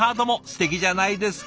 すてきじゃないですか。